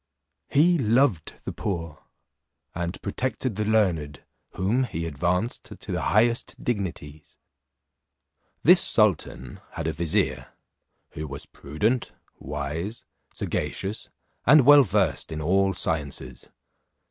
He loved the poor, and protected the learned, whom he advanced to the highest dignities. This sultan had a vizier, who was prudent, wise, sagacious, and well versed in all sciences.